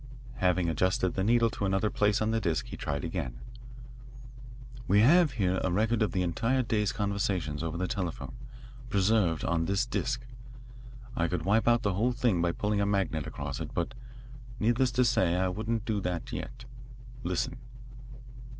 Having adjusted the needle to another place on the disc he tried again. "We have here a record of the entire day's conversations over the telephone, preserved on this disc. I could wipe out the whole thing by pulling a magnet across it, but, needless to say, I wouldn't do that yet. Listen."